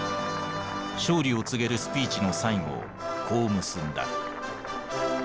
勝利を告げるスピーチの最後をこう結んだ。